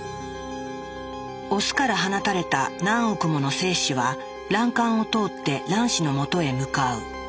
オスから放たれた何億もの精子は卵管を通って卵子のもとへ向かう。